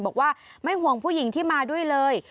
บอกว่าไม่ห่วงผู้หญิงที่มาด้วยเลย